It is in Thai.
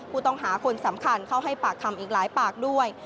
ผู้ต้องหาคนสำคัญเข้าให้ปากคำอีกหลายปากด้วย